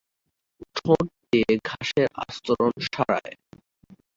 ঠোঁট দিয় ঘাসের আস্তরণ সারায়।